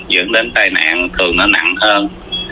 dẫn đến tai nạn thường nó nắng hơn